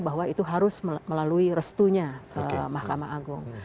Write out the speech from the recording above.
bahwa itu harus melalui restunya mahkamah agung